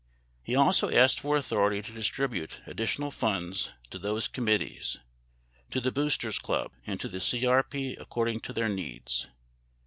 He also asked for authority to distribute additional funds to those committees, to the Boosters' Club, and to the CRP according to their needs.